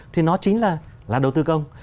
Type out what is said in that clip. thì nó chính là đầu tư công